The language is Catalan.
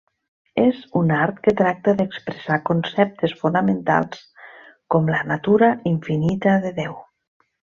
És un art que tracta d'expressar conceptes fonamentals com la natura infinita de Déu.